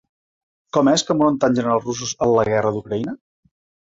Com és que moren tants generals russos en la guerra d’Ucraïna?